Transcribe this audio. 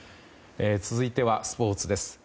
続いては、スポーツです。